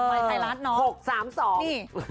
ใหม่ไทยลัดหรอ๖๓๒นี่